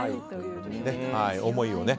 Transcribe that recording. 思いをね。